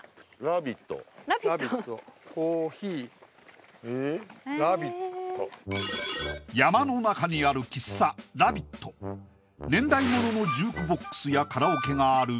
ラビットコーヒーラビット山の中にある喫茶ラビット年代物のジュークボックスやカラオケがある